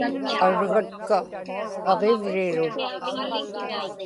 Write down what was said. argatka aġivrirut